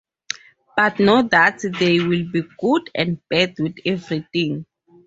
But know that there will be good and bad with everything.